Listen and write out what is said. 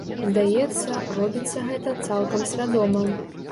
Здаецца, робіцца гэта цалкам свядома.